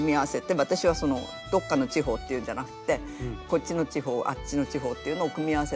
でも私はどっかの地方っていうんじゃなくてこっちの地方あっちの地方っていうのを組み合わせてデザインした。